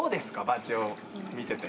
バチェ男見てて。